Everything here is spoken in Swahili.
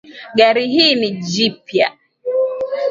Gari hili ni jipya